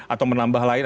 atau menambah lain